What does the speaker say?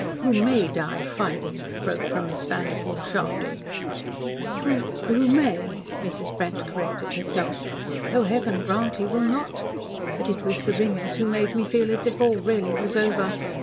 "Who MAY die fighting," broke from Miss Vanderpoel sharply. "Who who may " Mrs. Brent corrected herself, "though Heaven grant he will not. But it was the ringers who made me feel as if all really was over.